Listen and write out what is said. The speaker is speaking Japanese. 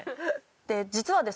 で実はですね